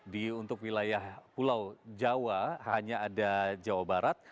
di untuk wilayah pulau jawa hanya ada jawa barat